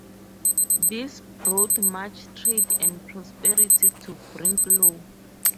This brought much trade and prosperity to Brinklow.